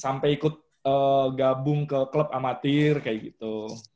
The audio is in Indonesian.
sampai ikut gabung ke klub amatir kayak gitu